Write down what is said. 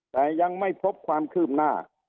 แต่ยังไม่พบความคืบหน้า